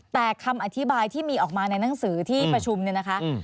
แต่คำอธิบายที่มีออกมาในหนังสือที่ประชุมเนี่ยนะคะ